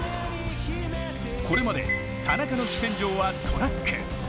これまで田中の主戦場はトラック。